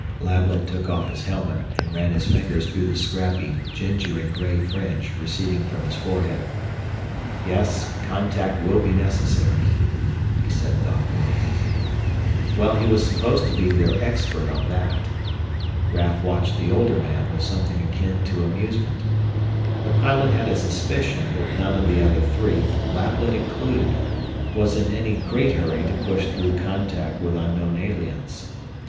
Lablet took off his helmet and ran his fingers through the scrappy ginger and gray fringe receding from his forehead. "Yes contact will be necessary " he said thoughtfully. Well, he was supposed to be their expert on that. Raf watched the older man with something akin to amusement. The pilot had a suspicion that none of the other three, Lablet included, was in any great hurry to push through contact with unknown aliens.